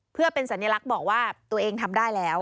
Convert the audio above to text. เพื่อเป็นสัญลักษณ์บอกว่าตัวเองทำได้แล้ว